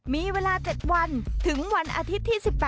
มีเวลา๗วันถึงวันอาทิตย์ที่๑๘